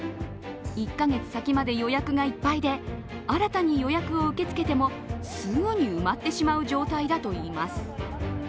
１カ月先まで予約がいっぱいで、新たに予約を受け付けてもすぐに埋まってしまう状態だといいます。